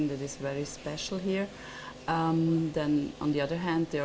dan di sisi lainnya mereka sangat sosial